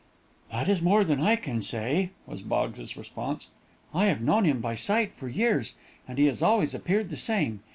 "That is more than I can say," was Boggs's response. "I have known him by sight for years, and he has always appeared the same.